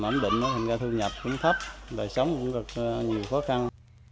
ổn định đó thành ra thu nhập cũng thấp đời sống cũng có nhiều khó khăn